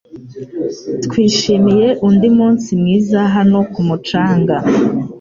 Twishimiye undi munsi mwiza hano ku mucanga.